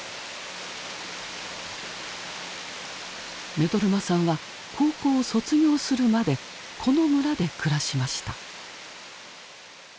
目取真さんは高校を卒業するまでこの村で暮らしました。